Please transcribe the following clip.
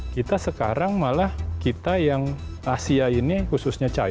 kita sekarang malah kita yang asia ini khususnya china